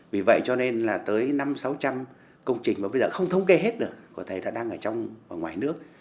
vì vậy cho nên là tới năm sáu trăm linh công trình mà bây giờ không thống kê hết được có thể là đang ở trong và ngoài nước